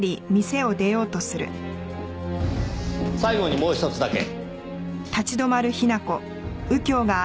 最後にもうひとつだけ。